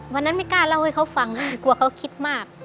วันนั้นไม่กล้าเล่าให้เขาฟังเกราะเขาคิดมาก